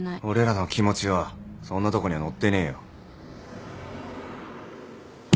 俺らの気持ちはそんなとこには載ってねえよ。